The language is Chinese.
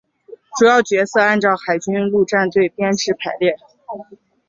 主要角色按照海军陆战队编制排列。